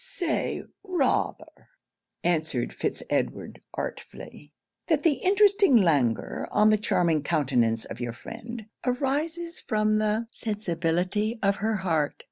'Say rather,' answered Fitz Edward artfully, 'that the interesting languor on the charming countenance of your friend, arises from the sensibility of her heart.